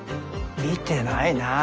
見てないなぁ。